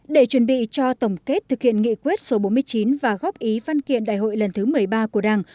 để chuẩn bị cho tổng kết thực hiện nghị quyết số bốn mươi chín và góp ý văn kiện đại hội lần thứ một mươi ba của đảng